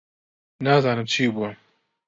نازانم چی بووە.